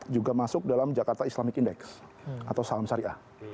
juga masuk dalam jakarta islamic index atau saham syariah